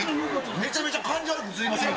めちゃめちゃ感じ悪く映りませんか？